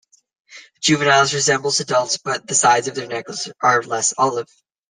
Juveniles resemble adults but the sides of their necks are less olive.